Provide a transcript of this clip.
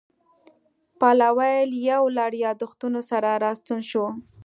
پلاوی له یو لړ یادښتونو سره راستون شو.